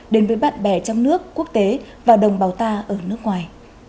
đến với bạn bè trong nước quốc tế và đồng bào ta ở nước ngoài